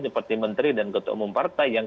seperti menteri dan ketua umum partai yang